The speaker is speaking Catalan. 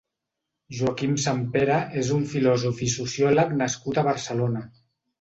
Joaquim Sempere és un filòsof i sociòleg nascut a Barcelona.